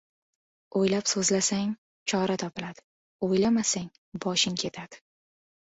• O‘ylab so‘zlasang — chora topiladi, o‘ylamasang — boshing ketadi.